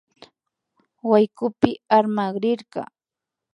Waykupi armakrirka